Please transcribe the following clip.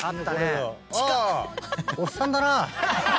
「あおっさんだな」